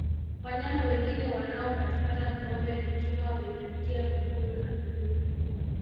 wanyama wengine wanaopatikana gombe ni kima wenye mkia mwekundu na bluu